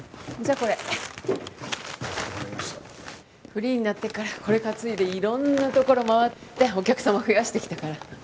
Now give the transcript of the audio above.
フリーになってからこれ担いでいろんなところ回ってお客様増やしてきたから。